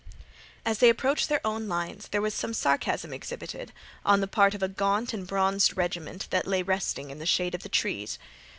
As they approached their own lines there was some sarcasm exhibited on the part of a gaunt and bronzed regiment that lay resting in the shade of the trees.